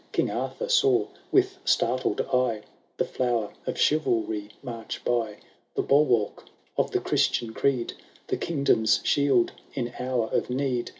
King Arthur saw, with startled eye, The flower of chivalry march by, Tlie bulwark of the Christian creed. The kingdom's shield in hour of need.